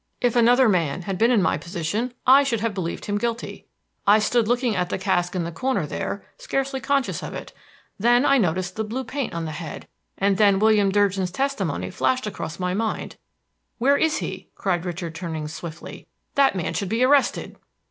If another man had been in my position, I should have believed him guilty. I stood looking at the cask in the corner there, scarcely conscious of it; then I noticed the blue paint on the head, and then William Durgin's testimony flashed across my mind. Where is he?" cried Richard, turning swiftly. "That man should be arrested!"